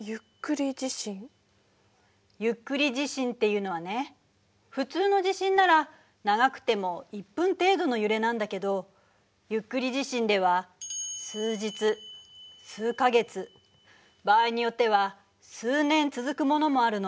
ゆっくり地震っていうのはね普通の地震なら長くても１分程度の揺れなんだけどゆっくり地震では数日数か月場合によっては数年続くものもあるの。